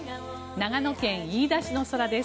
長野県飯田市の空です。